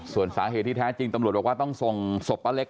ส่วนสาเหตุที่แท้จริงตำรวจบต้องส่งสบพะเล็ก